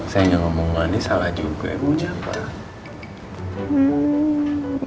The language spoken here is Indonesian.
saya ngegomong manis salah juga ya ujian pak